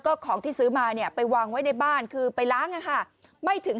ก็ของที่ซื้อมาเนี่ยไปวางไว้ในบ้านคือไปล้างไม่ถึง